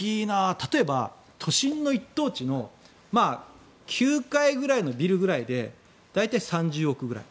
例えば、都心の一等地の９階ぐらいのビルぐらいで大体、３０億ぐらい。